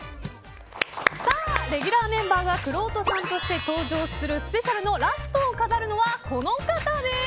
さあ、レギュラーメンバーがくろうとさんとして登場するスペシャルのラストを飾るのはこの方です。